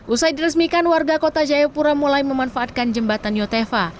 usai diresmikan warga kota jayapura mulai memanfaatkan jembatan yotefa